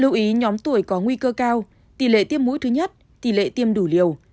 lưu ý nhóm tuổi có nguy cơ cao tỉ lệ tiêm mũi thứ nhất tỉ lệ tiêm đủ liều